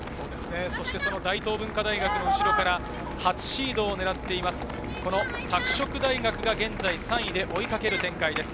大東文化大学の後ろから初シードを狙っています、拓殖大学が現在３位で追いかける展開です。